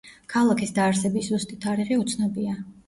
ქალაქის დაარსების ზუსტი თარიღი უცნობია.